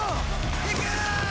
いけ！